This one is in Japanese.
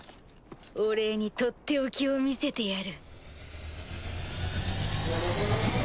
お礼にとっておきを見せてやる。